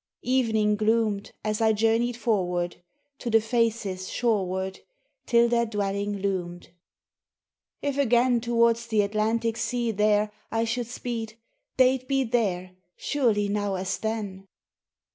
Evening gloomed As I journeyed forward To the faces shoreward, Till their dwelling loomed. If again Towards the Atlantic sea there I should speed, they'd be there Surely now as then?